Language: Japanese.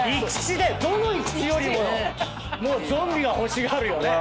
どの生き血よりもゾンビは欲しがるよね。